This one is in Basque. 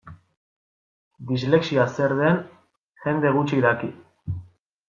Dislexia zer den jende gutxik daki.